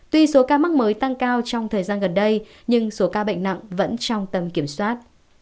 tuy số ca mắc mới tăng cao trong thời gian gần đây nhưng số ca bệnh nặng vẫn trong tầm kiểm soát